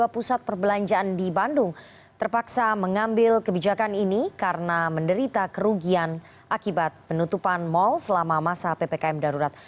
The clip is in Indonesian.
pusat perbelanjaan di bandung terpaksa mengambil kebijakan ini karena menderita kerugian akibat penutupan mal selama masa ppkm darurat